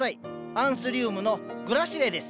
アンスリウムのグラシレです。